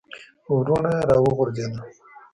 ورونه یې را وغورځېده.